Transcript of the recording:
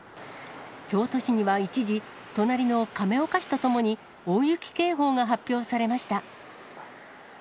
京都市には一時、隣の亀岡市とともに、大雪警報が発表されました。